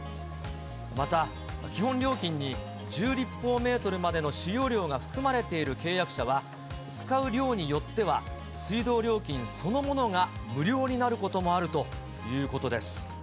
また、基本料金に１０立方メートルまでの使用量が含まれている契約者は、使う量によっては水道料金そのものが無料になることもあるということです。